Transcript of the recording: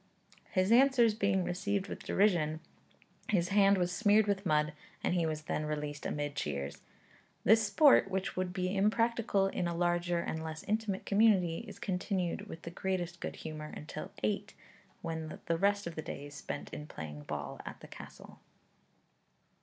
His answers being received with derision, his hand was smeared with mud, and he was then released amid cheers. 'This sport, which would be impracticable in a larger and less intimate community, is continued with the greatest good humour until eight; when the rest of the day is spent in playing ball at the Castle.'